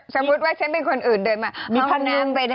ถ้าบูชว่าฉันเป็นคนอื่นเดินมาห้องน้ำไปถึงไหนครับ